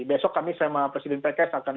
besok kami sama presiden pks akan